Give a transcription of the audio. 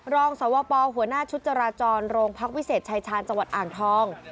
รองสวปหัวหน้าชุดจราจรโรงพักวิเศษชายชาญจังหวัดอ่างทอง